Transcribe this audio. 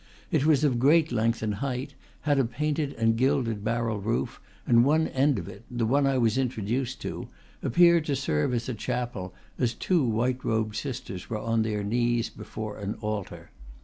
It was of great length and height, had a painted and gilded barrel roof, and one end of it the one I was introduced to appeared to serve as a chapel, as two white robed sisters were on their knees before an altar.